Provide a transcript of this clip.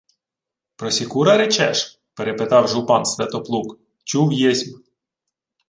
— Про Сікура речеш? — перепитав жупан Сватоплук, — Чув єсмь.